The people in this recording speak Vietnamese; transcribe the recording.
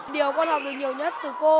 điều con học được nhiều nhất từ cô